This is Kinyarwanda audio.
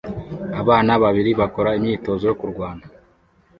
Abana babiri bakora imyitozo yo kurwana